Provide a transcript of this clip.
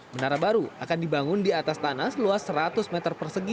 menara baru akan dibangun di atas tanah seluas seratus meter persegi